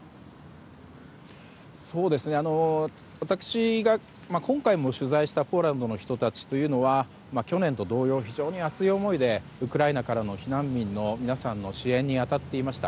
私が今回も取材したポーランドの人たちというのは去年と同様、非常に熱い思いでウクライナからの避難民の皆さんの支援に当たっていました。